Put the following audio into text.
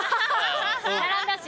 並んだし。